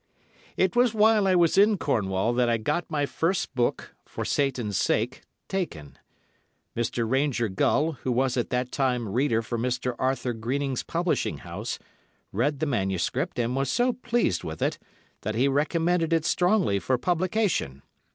It was while I was in Cornwall that I got my first book, "For Satan's Sake," taken. Mr. Ranger Gull, who was at that time reader for Mr. Arthur Greening's publishing house, read the MS., and was so pleased with it, that he recommended it strongly for publication.